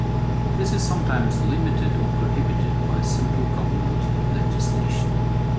This is sometimes limited or prohibited by central government legislation.